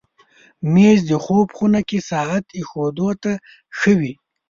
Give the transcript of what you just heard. مېز د خوب خونه کې ساعت ایښودو ته ښه وي.